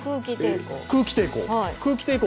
空気抵抗。